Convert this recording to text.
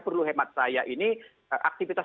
perlu hemat saya ini aktivitas